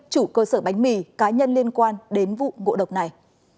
chủ cơ sở bánh mì cá nhân liên quan đến vụ ngộ độc này